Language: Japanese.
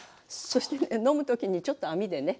そして飲む時にちょっと網でね